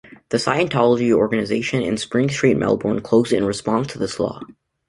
The Scientology organisation in Spring Street, Melbourne, closed in response to this law.